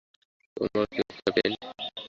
তোমার কী মত, ক্যাপ্টেন?